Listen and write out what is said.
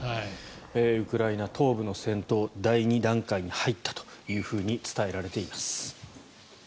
ウクライナ東部の戦闘第２段階に入ったと伝えられています。